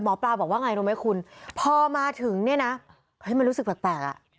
หมอปลาบอกว่าไงรู้ไหมคุณพอมาถึงเนี่ยนะเฮ้ยมันรู้สึกแปลกอ่ะ